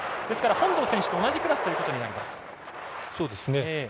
ですから本堂選手と同じクラスとなります。